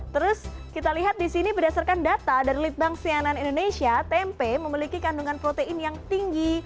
terus kita lihat di sini berdasarkan data dari litbang sianan indonesia tempe memiliki kandungan protein yang tinggi